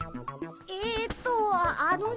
えっとあのね。